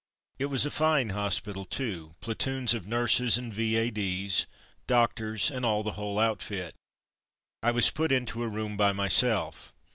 It was a fine hospital, too; platoons of nurses and V.A.D/s, doctors, and all the whole outfit. I was put into a room by myself.